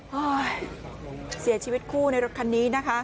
เสียชีวิตคู่ในรถคันนี้นะคะ